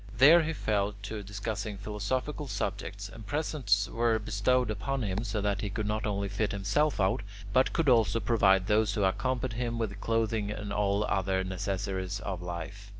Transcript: There he fell to discussing philosophical subjects, and presents were bestowed upon him, so that he could not only fit himself out, but could also provide those who accompanied him with clothing and all other necessaries of life.